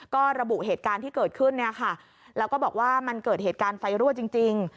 ก็ระบุเหตุการณ์ที่เกิดขึ้นเนี่ยค่ะแล้วก็บอกว่ามันเกิดเหตุการณ์ไฟรั่วจริง